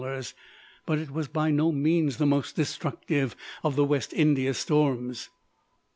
But it was by no means the most destructive of the West India storms.